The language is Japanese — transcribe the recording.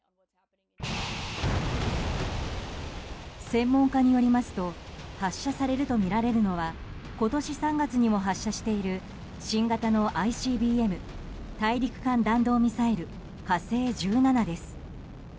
専門家によりますと発射されるとみられるのは今年３月にも発射している新型のＩＣＢＭ・大陸間弾道ミサイル「火星１７」です。